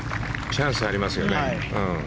チャンスありますよね。